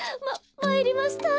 まいりました。